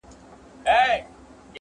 زما د ټوله ژوند تعبیر را سره خاندي،